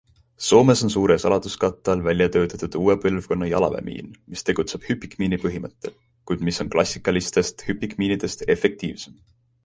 Soomes on suure saladuskatte all väljatöötatud uue põlvkonna jalaväemiin, mis tegutseb hüpikmiini põhimõttel, kuid mis on klassikalistest hüpikmiinidest efektiivsem.